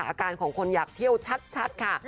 อาการของคนอยากเที่ยวชัดค่ะ